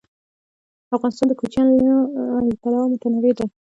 افغانستان د کوچیان له پلوه متنوع دی.